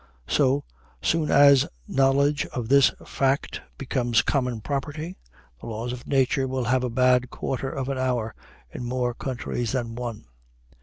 So soon as knowledge of this fact becomes common property, the laws of nature will have a bad quarter of an hour in more countries than one.